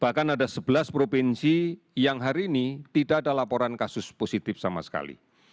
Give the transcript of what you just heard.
bahkan ada sebelas provinsi yang hari ini tidak ada laporan kasus positif sama sekali